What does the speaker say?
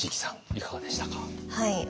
いかがでしたか？